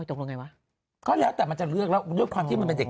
ตกลงไงวะก็แล้วแต่มันจะเลือกแล้วด้วยความที่มันเป็นเด็ก